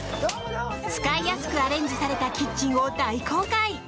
使いやすくアレンジされたキッチンを大公開。